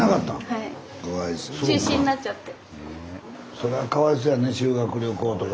そらかわいそうやね修学旅行とか。